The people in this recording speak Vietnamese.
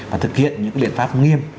và thực hiện những biện pháp nghiêm